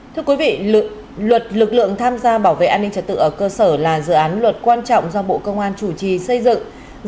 thưa quý vị luật lực lượng tham gia bảo vệ an ninh trật tự ở cơ sở là dự án luật quan trọng do bộ công an chủ trì xây dựng